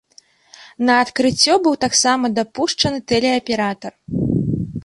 На адкрыццё быў таксама дапушчаны тэлеаператар.